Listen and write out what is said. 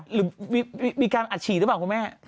หรือมีการอัดฉี่หรือเปล่าคุณแม่